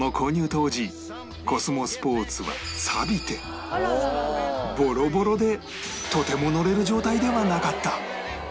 当時コスモスポーツはさびてボロボロでとても乗れる状態ではなかった